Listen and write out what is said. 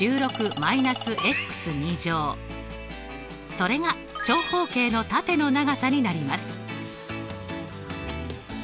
それが長方形のタテの長さになります。